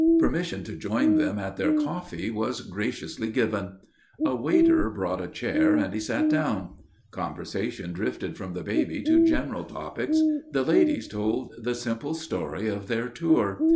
Permission to join them at their coffee was graciously given. A waiter brought a chair and he sat down. Conversation drifted from the baby to general topics. The ladies told the simple story of their tour.